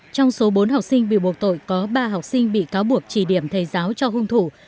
trong số bốn học sinh bị buộc tội có ba học sinh bị cáo buộc chỉ điểm thầy giáo cho hung thủ